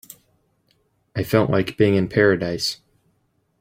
I felt like being in paradise.